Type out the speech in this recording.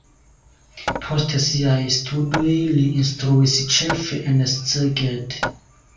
Post siaj studoj li instruis ĉefe en Szeged.